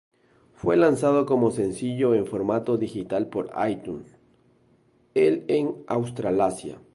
Fue lanzado como sencillo en formato digital por iTunes, el en Australasia.